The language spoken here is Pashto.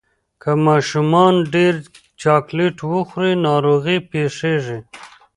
که ماشومان ډیر چاکلېټ وخوري، ناروغي پېښېږي.